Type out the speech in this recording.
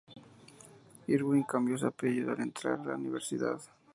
Irwin cambió su apellido al entrar a la universidad.